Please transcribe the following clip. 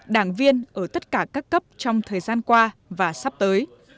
đảng viên ở tất cả các cấp trong thời gian qua và sắp tới